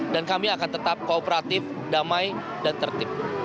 dan kami akan tetap kooperatif damai dan tertib